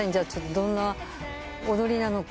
どんな踊りなのか？